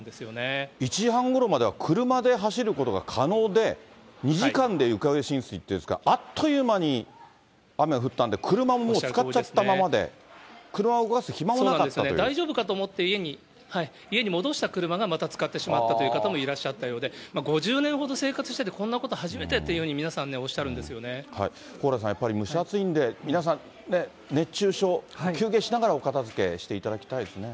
だから１時間半ごろまでは車で走ることが可能で、２時間で床上浸水ですから、あっという間に雨が降ったんで、車もつかっちゃったままで、そうですね、大丈夫かと思って、家に戻した車が、またつかってしまったという方もいらっしゃったようで、５０年ほど生活してて、こんなこと初めてというふうに皆さんね、おっしゃ蓬莱さん、やっぱり蒸し暑いんで、皆さん、ね、熱中症、休憩しながらお片づけしていただきたいですね。